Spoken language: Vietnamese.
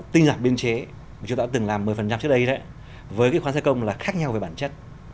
tinh giảm biên chế chúng ta đã từng làm một mươi trước đây với cái khoán xe công là khác nhau về bản chất